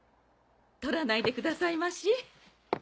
取らないでくださいまし。